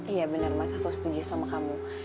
iya benar mas aku setuju sama kamu